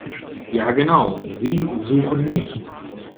Ja genau, Sie suchen mich!